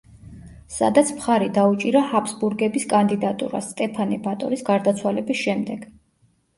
სადაც მხარი დაუჭირა ჰაბსბურგების კანდიდატურას სტეფანე ბატორის გარდაცვალების შემდეგ.